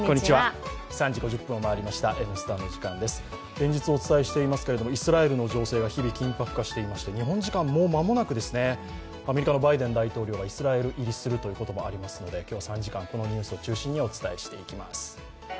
連日お伝えしていますけれども、イスラエルの情勢が日々緊迫化していまして日本時間もう間もなく、アメリカのバイデン大統領がイスラエル入りするということもありますので今日は３時間このニュースを中心にお伝えしてまいります。